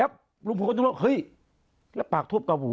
เสียชีวิต